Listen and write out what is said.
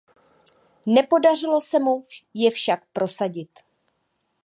Nepodařilo se mu je však prosadit.